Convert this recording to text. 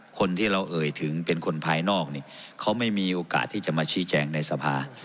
คนที่เราเอ่ยถึงเป็นคนภายนอกเขาไม่มีโอกาสที่จะมาชี้แจงในสภา